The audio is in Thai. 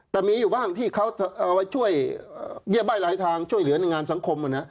แต่มีอยู่บ้างที่เขาเอาไว้ช่วยเงียบใบ้หลายทางช่วยเหลือในงานสังคม